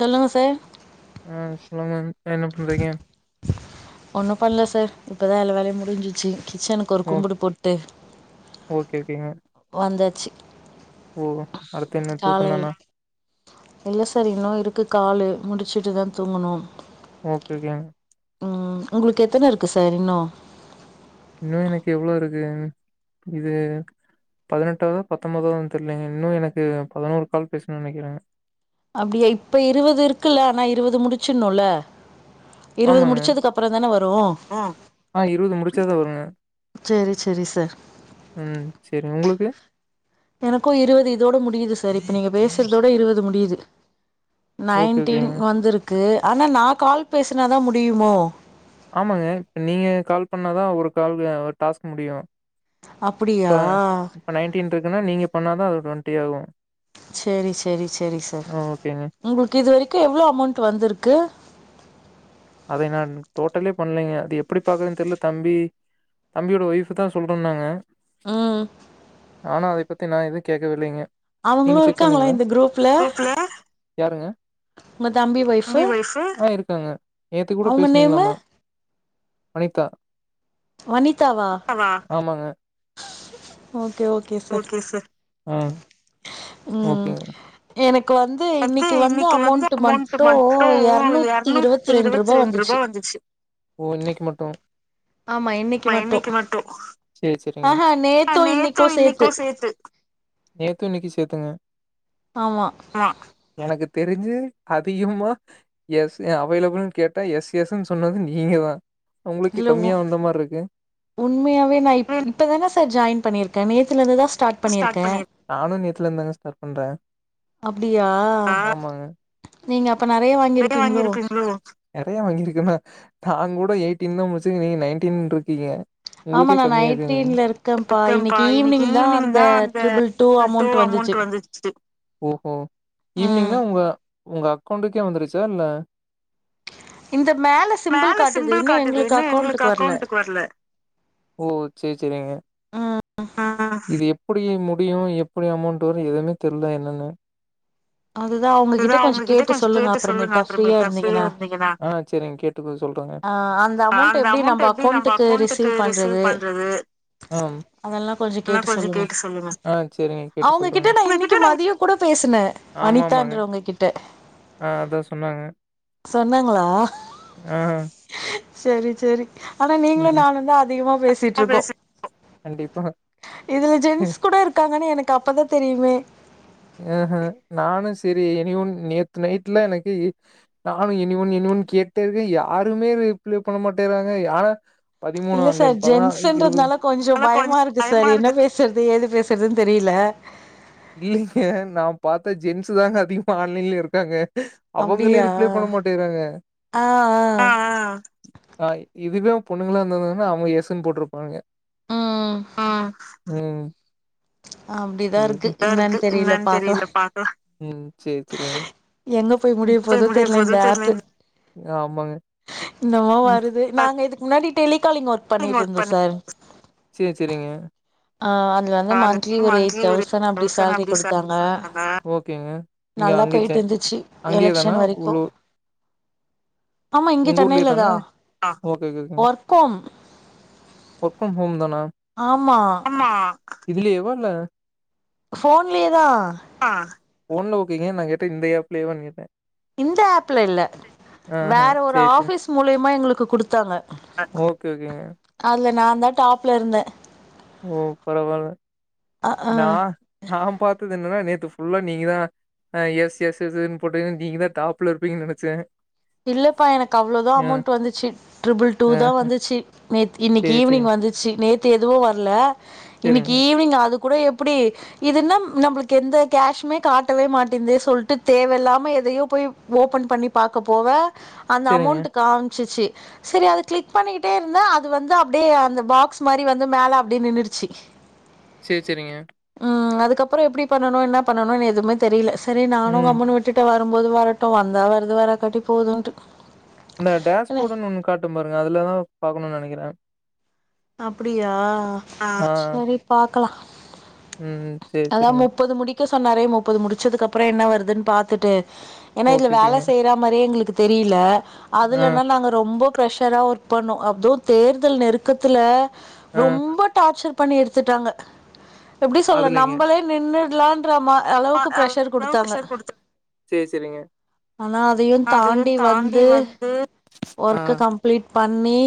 சொல்லுங்க சார் ஆஹ் சொல்லுங்க அப்றென்ன பண்றிங்க ஒன்னும் பண்ணல சார் இப்பதா எல்லால வேலையு முடிஞ்சிச்சு கிச்சனுக்கு ஒரு கும்பிடு போட்டு வந்தாச்சு ஓ காலையில இல்ல சார் இன்னும் இருக்கு காளு முடிச்சுட்டு தா தூங்கணும் ஓகேங்க உம் உங்களுக்கு எத்தன இருக்கு சார் இன்னு இது இது பதினெட்டாவதா பத்தொம்பதாவுதா தெர்லங்க இன்னு எனக்கு பதினோரு கால் பேசணுனு நனைக்கிறேங்க அப்டியா இப்ப இருவது இருக்குல்ல ஆனா இருவது முடிச்சர்னு இல்ல ஆமாங்க ஆஹ் இருவது முடிச்சாதா வருங்க உம் சரி உங்களுக்கு எனக்கும் இருவது இதோட முடியுது சார் இப்ப நீங்க பேசுறதோட இருபது முடியுது நைன்டீன் வந்துருக்கு ஆனா நா கால் பேசுனா தா முடியுமோ ஆமாங்க ப்ப நீங்க கால் பண்ணாதா ஒரு கால் ஒரு டாஸ்க் முடியு இப்ப இப்ப நைன்டீன் இருக்குன்னா நீங்க பண்ணாதா ட்வண்டி ஆகும் சேரி சேரி சேரி சார் உங்களுக்கு இது வரைக்கு எவ்ளோ அமௌண்ட் வந்துருக்கு அதை நான் டோட்டலே பண்லேங்க அது எப்டி பாக்குறதுன் தெர்ல தம்பி தம்பியோட ஒய்ஃபுதா சொல்றன்னாங்க ம் ஆனா அதை பத்தி நா எது கேக்கவில்லைங்க அவுங்களு இருக்காங்களா இந்த க்ரூப்ல யாருங்க ஆ இருக்காங்க நேத்துக் கூட பேஸ்னீங்ளாமா அனிதா ஆமாங்க ம் ம் ம் எனக் வந்து இன்னைக்கு வந்து அ அமௌன்ட் மட்டு இருநூத்தி இருவத் ரெண்டு ரூபா வந்துச்சு ஆமா இன்னைக்கு மட்டு நேத்து இன்னைக்கு சேத்து அமௌன்ட் நேத்து இன்னைக்கு சேத்துங்க ஆமா எனக்கு தெரிஞ்சு அதிகமா எஸ் அவைலபுள்ன் கேட்டா எஸ் எஸ்ன்னு சொன்னது நீங்க தா இல்ல உண் உண்மையாவே நா இப்ப தானே ஜாயின் பண்ணிருக்கே நேத்துல இருந்து தா நானு நேத்திலிருந்து தாங்க ஸ்டார்ட் பண்ற ஆமாங்க நறைய வாங்கி இருக்கேனா நாங்கூட எயி ட்டீன் தா முச்சிக்கு நீங்க நைன்டின் [unintelligible] டிங்க ஆமா நா நைடீன்ல இருக்கேன்ப்பா இன்னைக்கி ஈவ்னிங் தா இந்த ட்ரிபிள் டூ அமௌண்ட் வந்துச்சு ஓஹோ ஈவ்னிங்னா உங்க உங்க அக்கௌண்ட்டுக்கே வந்துருச்சா இல்ல மேல சிம்பிள் காட்டுது இன்னு எங்களுக்கு அக்கௌண்ட்டுக்கு வர்ல ஆ எப்டி முடியு எப்டி அமௌண்ட் வரு எதுவுமே தெர்ல என்னன்னு அதுதா அவுங்கக்கிட்ட கொஞ்சோ கேட்டு சொல்லுங்க அப்பறமேட்டா ஃப்ரீயா இருந்தீங்கன்னா அ அந்த அமௌண்ட்ட எப்டி நம்ப அக்கௌண்ட்டுக்கு ரிசீவ் பண்றது அதெல்லா கொஞ்சொ கேட்டு சொல்லுங்க அவுங்கக்கிட்ட நா இன்னக்கி மதியொ கூட பேசுன வனிதான்றவங்கக் கிட் ட ஆ அதா சொன்னாங்க சொன்னாங்களா ஆ சேரி சேரி ஆனா நீங்களு நானுந்தா அதிகமா பேசிட்ருக்கோ கண்டிப் இதுல ஜென்ஸ் கூட இருக்காங்கன்னு எனக்கு அப்பதா தெரியுமே அ ஹு நானு சேரி எனி ஒன் நேத்து நைட்லா எனக்கு நானு எனி ஒண் எனி ஒண்ணு கேட்டே இருக்கே யாருமே ரிப்ளே பண்ண மாட்டேறாங்க யா இல்ல சார் ஜென்ஸுன்றதுனால கொஞ்சொ பயமா இருக்கு சார் என்ன பேசற் து ஏது பேசற்துன்னு தெரியில இல்லிங்க நா பாத்த ஜென்ஸு தாங்க அதிகமா ஆன்லைன்லயே இருக்காங்க அவங்களே ரிப்ளே பண்ண மாட்டேக்கிறாங்க ஆ ஆ ஆ இதுவே அவ பொண்ணுங்களா இருந்துருந்தாங்னா அவுங்க எஸ்ஸுனு போட்ருப்பானுங்க அ ம் அப்டிதா இருக்கு என்னான் தெரியில பாக்கலா ம் எங்க போய் முடிய போதோ தெர்ல இந்த ஆப்பு என்னமோ வருது நாங்க இதுக்கு முன்னாடி டெலி காலிங் ஒர்க் பண்ணிட்ருந்தோ சார் ஆ அத்ல வந்து மன்த்லி மன்த்லி ஒரு தௌசண்ட் அப்டி சார் [inaudible] ஓகேங்க நல்லா போயிட்ருந்துச்சி எலெக்ஷன் வரைக்கு ஆமா இங்க சென்னைலதா ஒர்க்கோம் அதானா ஆமா இதுலயேவா இல்ல போஃன்லயேதா போன்ல கேங்க நான் கேட்டன் [unintelligible] இந்த ஏப்லய பண்ணியிருேன் இந்த ஆப்ல இல்ல வேற ஒரு ஆபீஸ் மூலியமா எங்களுக்கு கொடுத்து தாங்க ஓகே ஓகே ங இதூல் நான் தான் டாப்ல இருந்தேன் ஓ பரவல்ல நான் நம் பார்த்தது என்னன்னா நேத் [unintelligible] ஃபுல்லா நீங்கதான் ஸ் ஸ் பேட்டிக்கு நீங்க தான் டாப்ல இருப்பீங்கு நினைச்சேன் இல்லப்பா எனக்கு அவ்ளோதான் அமௌண்ட் வந்துச்சு ரிபிள் டூ தான் வந்துச்சு ந இன்னைக்கு ஈவினிங் வந்துச்சு நேத்து எதுவோ வர இல்ல இன்னைக்கு ஈவினிங் ஆ அ கூட எப்படி இதுன்னா நம் எந்த கேஷம காட்டவே மாட்டேே சொல்லிட்டு தேவையில்லாம எதையோ போய் ஓபன் பண்ணி பாக் போவேன் அந்த அமௌண்ட்ட் காமிச்சுச்சு சரி அது கிளிக் பண்ணிக்கிட்டே இருந்தே அது வந்து அப்படியே அந்த பாக்ஸ் மாதிரி வந்து மேல அப்படிய நின்ருச்சு சேரி சேரிங்க ம் அதுக்கப்புறம் எப்படி பண்ணனும் என்ன பண்ணனும்னு எதுவுமே தெரியல சரி நானும் கம்ன்னும் விட்டு வர போ போதுவரட்டோ வந்தா வருது வராக் கட்டி போதோண்டுக் அந்த டேஸ் போர்டுனு ஒண்ணு காட்டும் பாருங்க அதுலதா பாக்கணும்னு நெனைக்குற அப்படியா சரி பாக்கலா ம் ம் அதா முப்பது முடிக்க சொன்னாரே முப்பது முடிச்சதுக்குப் அப்புறோ என்ன வருதுன் பாத்துட்டு ஏன்னா இதுல வேல செய்ற மாரியே எங்குளுக்- தெரியுல அதுலனா நாங்க ரொம்ப பிர்ஷராக ஒர்க் பண்ணோ அதோ தேர்தல் நெருக்கத்துல ரொம்ப டார்ச்சர்ப் கட் பண்ணி எடுத்துட்டாங்க எப்படி சொல்ல நம்பளே நின்னு லான் இருக்லாமா அளவுக்கு ப்ரெஷர் குடுத்தாங்க ஆனா அதையு தாண்டி வந்து ஒர்க்க கம்ப்ளீட் பண்ணி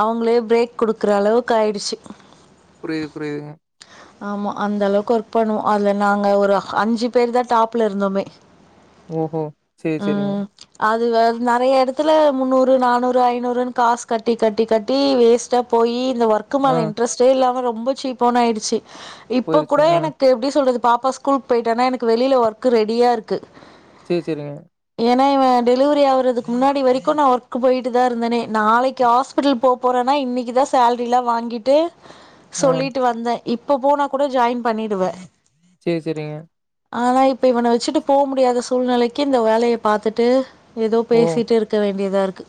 அவுங்களே பிரேக் குடுக்குற அளவுக்கு ஆயிடுச்சு புரியுது புரியுதுங்க ஆமா அந்தளவுக்கு ஒர்க் பண்ணுவோ அதுல நாங்க ஒரு அஞ்சு பேருதா டாப்புல இருந்தோமே ஓஹோ சேரி சேரிங்க து வந் நறைய எடத்துல முன்னூறு நானூறு ஐநூறுனு காஸ் கட்டி கட்டி கட்டீ வேஸ்ட்டா போயி இந்த ஒர்க்கு மேல இன்ரஸ்ட்டே இல்லாம [unintelligible] ம்பொ சீப்போனு ஆய்டிச்சு இப்ப கூட எனக்கு எப்டி சொல்றது பாப்பா ஸ்கூலுக் பொய்ட்டானா எனக்கு வெளியில ஒர்க்கு ரெடியா இருக்கு சேர் செரிங்க ஏனா இவ டெலிவரி ஆவுறதுக்கு முன்னாடி வரிக்கு நா ஒர்க்கு பொய்ட்டுதா இருந்தனே நாளைக்கு ஹாஸ்பிட்டல் போப் போறன்னா இன்னக்கிதா சேல்ரில்லா வாங்கிட்டு சொல்லிட்டு வந்தே இப்போ போனா கூடொ ஜாயின் பண்ணிடுவ சேர் சேரிங்க ஆனா இப்ப இவன வெச்சுட்டு போவ முடியாத சூழ்நிலைக்கு இந்த வேலைய பாத்துட்டு ஏதோ பேசிட்டு இருக்க வேண் ண்டியதா இருக்கு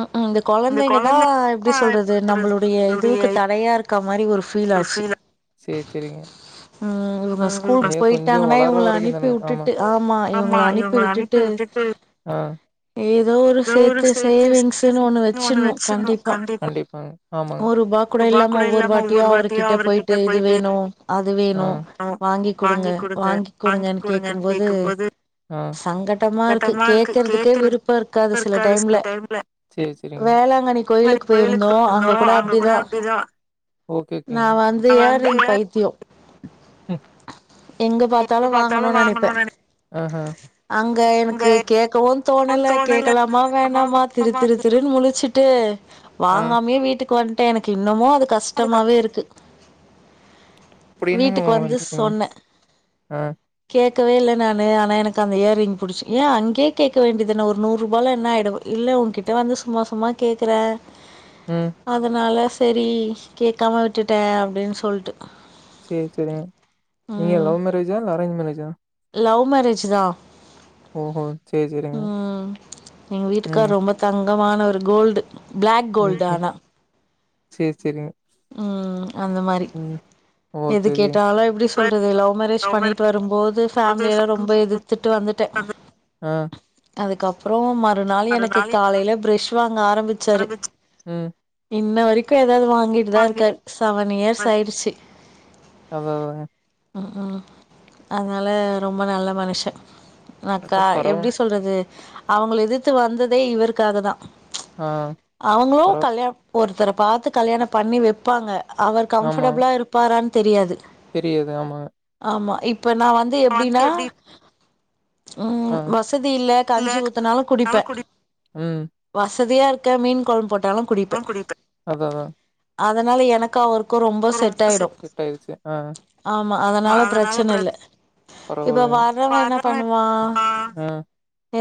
ம் ம் இந்த கொழந்தைங்கதா எப்டி சொல்றது நம்மளுடைய இதுக்கு தடையா இருக்கா மாரி ஒரு சேர் சேரிங்க ம் இவங்க ஸ்கூலுக்கு போயிட்டாங்கனா இவங்கள அனுப்பி உட்டுட்டு ஆமா இவங்கள அனுப்பி விட்டுட்டு ஏதோ ஒரு சேத்து சேவிங்ஸ்ன்னு ஒண்ணு வெச்சிர்ணு கண்டிப்பா ஒருபா கூட இல்லாம ஒவ்வொரு வா டியு அவருக்கிட்ட போய்ட்டு இது வேணு அது வேணு வாங்கி குடுங்க வாங்கி குடுங்கன் கேக்கம்போது சங்கடமா இருக்கு கேக்கறதுக்கே விருப்பொ இருக்காது சில டைம்ல வேளாங்கண்ணி கோயிலுக்கு போயிருந்தோ அங்க கூட அப்டிதா நா வந்து இயரிங் பைத்திய ம் எங்க பாத்தாலு வாங்கணு நெனைப்பே அங்க எனக்கு கேக்கவு தோணல கேக்கலாமா வேணாமா திரு திரு திருனு முழிச்சிட்டு வாங்காமே வீட்டுக்கு வன் ட்டே எனக்கு இன்னமு அது க ட்டமாவே இருக்கு வீட்டுக்கு வந்து சொன்னே கேக் கவே இல்லை நானு ஆனா எனக்கு அந்த இயரிங் புடிச்சி ஏ அங்யே கேக்க வேண்டியதான ஒரு நூறுபால என்ன ஆய்ட போ இல்ல ஊங்கிட்ட வந்து சும்மா சும்மா கேக்குற அதுனால சேரி கேக்காம விட்டுட்ட அப்டின் சொல்ட்டு சேர் சேரிங்க நீங்க லௌ மேரேஜா இல்ல அரேஞ்ச் மேரேஜா லவ் மேரஜுதா ஓஹோ செரி சேரிங்க ம் மானவரு கோல்டு பிளாக் கோல்டு ஆனா செரி சேரிங்க. ம் அந்த மாரி எது கேட்டாலு எப்டி சொல்றது லவ் மேரேஜ் பண்ணிட்டு வரும்போது ஃபேமிலியலா ரொம்ப எதுத்துட்டு வந்துட்டே அதுக்கப் ரோமர் நாள் எனக்கு காலையில பிரஷ் தாங்க ஆரம்பிச்சாரு இப் இன்ன வரைக்கோ ஏதாவது அங்க தா இருக்காரு செவன் இயர்ஸ் ஆயிடுச்சு ம் ம் அதனால ரொம்ப நல்ல மனுஷ அக்கா எப்டி சொல்றது அவுங்கள எதித்து வந்ததே இவருக்காக தா அவுங்களோ கல்யாணோ ஒருத்தர பாத்து கல்யாணம் பண்ணி வைப்பாங்க அவர் கம்ஃபர்டபிளா இருப்பாரான் தெரியாது தெரியாது ஆமா ஆமா இப் இப்ப நான் வந்து எப்படின்னா உம் வசதி இல்ல கஞ்சி ஊத்தனாலும் குடிப்பேன் வஸ் [unintelligible] இருக்க மீன் குழம்பு போட் பாலும் குடிப்ப அதா அதான் அதனால எனக்கு அவர் க்கோ ரொம்ப செட் ஆயிடும் ஆமா அதனால பிரச்சன இல்ல இப்ப வர்றவன் என்ன பண்ணுவா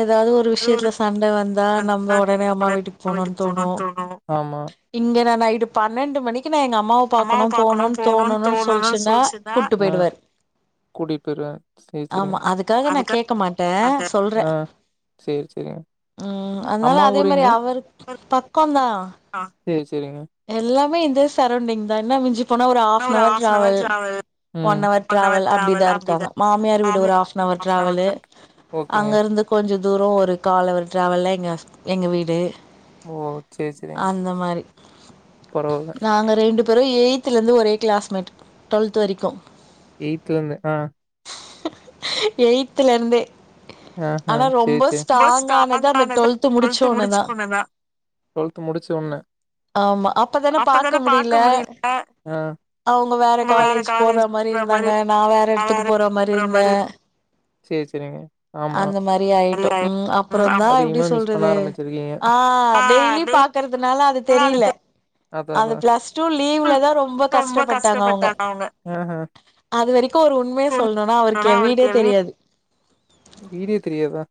ஏதாவது ஒரு விஷயத்துல சண்ட வந்தா நம்ம உடனே அம்மா வீட்டுக்கு போனுன்னு தோணும் இங்க நான் நைட் பன்னெண்டு மணிக் க்கு நான் எங்க அம்மாவ பாக்கணும் போகணும்னு தோணும்னு சொல்லிச்சுன்னா கூட்டு போயிடுவாரு ஆமா அதுக்காக நான் கேக்க மாட்டேன் சொல்றேன் உம் அதனால அதே மாறி அவர் பக்கம் தான் சேரி எல்லாமே இந் இதே சரவுண்டிங் தான் என்ன மிஞ்சி போனா ஒரு half an hour travel one hour travel அப்படிதான் இருக்காங்க மாமியார் வீடு ஒரு ஹாஃபனவர் டிராவல்லு அங்க இருந்து கொஞ்சோ தூரம் ஒரு கால்அவர் டிராவல்ல எங்க எங்க வீடு ஓ சேரி சேரிங். நாங்க ரெண்டு பேரும் எயி்த்துலருந்து ஒரே கிளாஸ்மேட் ட்வெல்த் வரைக்கும் எய்த்துலருந்து ஆ எய்த்துல இருந்தே. ஆ ஹா சேர் சேர் ரொம்ப ஸ்ட்டாங்கானது அந்த ட்வெல்த்து முடிச்சோடனதான் ட்வெல்த்து முடிச்சோன்ன ஆமா அப்பதான பாக்க முடில அவங்க வேற காலேஜ் போட்ற மாறிருந்தாங்க நான் வேற எடத்துக்கு போற மாறிருந்தேன் சேரி சேரிங்க அந்த மாறி ஆயிட்டோம் உம் அப்புறோ தா எப்டி சொல்றது ஆஹ் டெய்லி பாக்றதுனால அது தெரியல. அது பிளஸ்ட்டூ லீவ்லதான் ரொம்ப கஷ்டப்பட்டாங்க அவுங்க அது வரைக்கும் ஒரு உண்மய சொல்ணும்னா அவர்க்கு என் வீடே தெரியாது. வீடே தெரியாதா.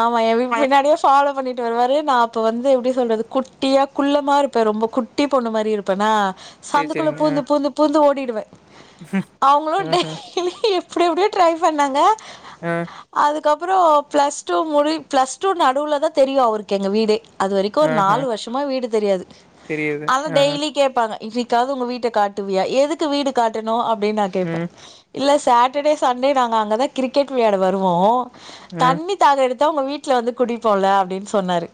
ஆமா என் பின் பின்னாடியே ஃபாலோ பண்ணிட் ட்டு வருவாரு நான் அப்ப வந்து எப்டி சொல்றது குட்டியா குள்ளமாருப்பேன் ரொம்ப குட்டி பொண்ணு மாறி இருப்பேன்னா சந்துக்குள்ள பூந்து பூந்து பூந்து ஓடிட் அவுங்களு டெய்லி இப்டி இப்டீ ட்ரை பண்ணாங்க ஆஹ். கப்றோ ப்ளஸ் டூ முடி ப்ளஸ் டூ நடுல தா தெரியு அவுருக்கு எங்க வீடே அது வரைக்கு ஒரு நாலு வருஷமா வீடு தெரியாது அத டெய்லி கேப்பாங்க. இன்னிக்காவ்து உங்க வீட்ட காட்டுவியா எதுக்கு வீடு காட்டணு அப் ப்டின்னு நா கேப்பே இல்ல ஸ் சேட்டடே சண்டே நாங்க அங்கதா கிரிக்கெட் விளையாட வருவோ தண்ணி தாகோ எடுத் த உங்க வீட்ல வந்து குடிப்போல அப்டின் ஸ் சொன்னாரு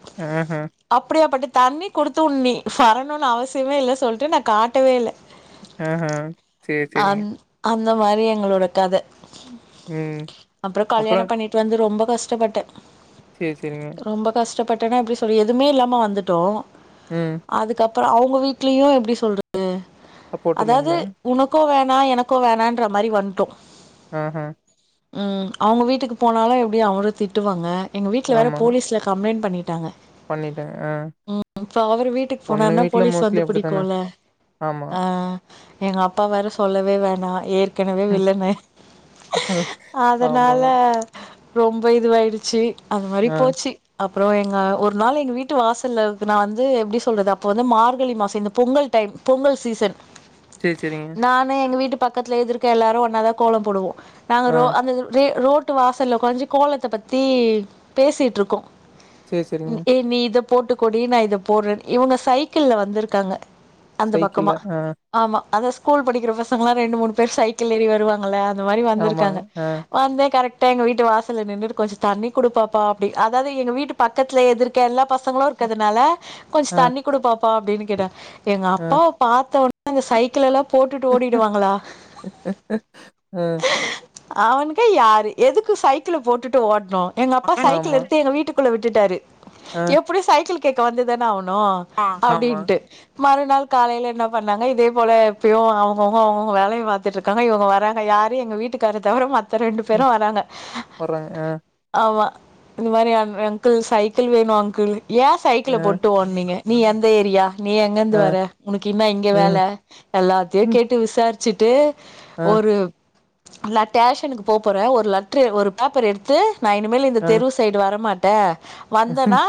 அப்டியா பட்டு தண்ணி குடுத்துட் நீ வரணுனு அவசியமே இல்ல சொல்டு நா காட்டவே இல்ல ஆஹ்ஹ சேர் செரிங்க ந்த மாரி எங்களோட கத அப்ற கல்யாண பண்ணிட்டு வந்து ரொம்ப கஷ்டப்பட்டே ரொம்ப கஷ்ட்டப்பட் பனா எப்டி சொல்லி எதுமே இல்லாம வந்துட்டோ அதுக்கப் ப அவங்க வீட்லயு எப்டி சொல்றது அதாவ்து உனக்கோ வே ணா எனக்கு வேணான்ற மாரி வன்ட்டோ ஆஹ்ஹ உம் அவங்க வீட்டுக்கு போனாலு எப் டி அவங்களு திட்டுவாங்க எங்க வீட்ல வெற போலீஸ்ல கம்ளைண் பண்ணிட்டாங்க உம் இப்ப அவரு வீட்டுக்கு போனாருன்னா போலீஸ் வந்து புடிக்குல ஆ எங்க அப்பா வெற சொல்லவே வேணா ஏற் கனவே வில்லனு அதனால ரொம்ப இதுவாயிடுச்சி அது மாரி போச்சு அப் அப்றோ எங்க ஒரு நாள் எங்க வீட்டு வாசல்ல நா வந்து எப்டி சொல்றது அப்போ வந்து மார்கழி மாச இந்த பொங்கல் டைம் பொங்கல் சீசன் நானு எங்க வீட்டுப் பக்கத்ல எதுர்க்க எல்லாரு ஒன்னாதா கோலொ போடுவோ நாங்க ரோ அந்த ரே ரோட் ட்டு வா சல்ல ஒக்காஞ்சி கோலத்த பத்தி பேசிட்டு இருக்கோ ஏ நீ இத போட்டுக்கோடி நா இத போட்றன்னு இவங்க சைக்கிள்ல வந்துருக்காங்க அந்த பக்கமா ஆமா அதா ஸ்கூல் படிக்கிற பசங்கல்லா ரெண்டு மூணு பேரு சைக்கிள்ல ஏறி வருவாங்கல்ல அந்த மாரி வந்துருக்காங்க வந்து கரெக்ட் கிட்ட எங்க வீட்டு வாசல்ல நின்னுட்டு கொஞ்ச தண்ணி குடு பாப்பா அப்டி அதாவது எங்க வீட்டு பக்கத்ல எதிர்க்க எல்லா பசங்களு இருக்கதுனால கொஞ்சோ தண்ணி குடு பாப்பா அப்டின்னு கேட்டாங் எங்க அப்பாவ பாத்தொன்ன நாங்க சைக்கிளல்லா ம் அவனுக்கே யாரு எதுக்கு சைக்கிள போட்டுட்டு ஓடுனூ எங்க அப்பா சைக்கிள எடுத்து எங்க வீட்டு க்குள்ள விட்டுட்டாரு எப்டி சைக்கிள் கேக்க வந்துதான ஆவ னு அப்டின்ட்டு மறுநாள் காலைல என்னா பண்ணாங்க இதே போல எப்பயு அவங்கவ்ங்க அவங்கவ்ங்க வேலைய பாத்துட்ருக்காங்க இவங்க வராங்க யாரு எங்க வீட்டுக்கார தவர மத் த ரெண்டு பேரு வராங்க அ ஆமா இந்த மாரி அ அங்க்குள் சைக்கிள் வேணு அங்க்குள் யா சைக்கிள போட்டு ஓட்னீங்க நீ எந் த ஏரியா நீ எங்கர்ந்து வர உனக்கு இன்னா இங்க வேல எல்லாத்தையு கேட்டு விசார் சிட்டு ஒரு நா டேஷனுக்கு போ போறே ஒ லெட்ரு ஒரு பேப்பர் எடுத்து நா இனிமேல் இந்த தெருவு சைடு வரமாட் தெ வந்தனா